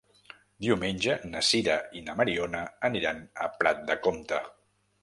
Diumenge na Sira i na Mariona aniran a Prat de Comte.